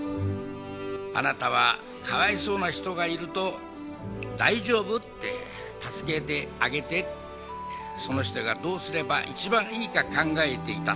あなたはかわいそうな人がいると、大丈夫？って助けてあげて、その人がどうすれば一番いいか考えていた。